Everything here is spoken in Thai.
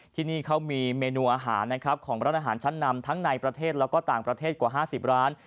ที่นี่เขามีเมนูอาหารนะครับของร้านอาหารชั้นนำทั้งในประเทศแล้วก็ต่างประเทศกว่า๕๐ร้าน